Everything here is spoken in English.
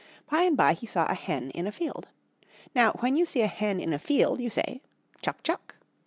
By and by he saw a hen in a field. Now when you see a hen in a field you say "Chuck, chuck!"